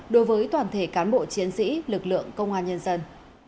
đối với toàn thể cán bộ chiến sĩ lực lượng công an nhân dân